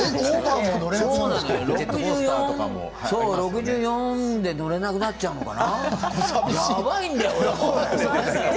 ６４歳で乗れなくなっちゃうのかな？